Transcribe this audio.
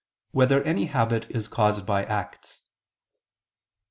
2] Whether Any Habit Is Caused by Acts?